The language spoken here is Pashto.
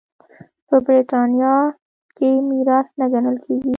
په برېټانیا کې میراث نه ګڼل کېږي.